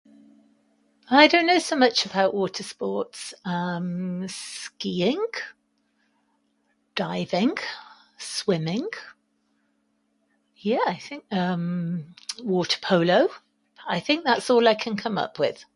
I don't know so much about water sports. Um, skiing, diving, swimming. Yeah I think, um, water polo. I think that's all I can come up with.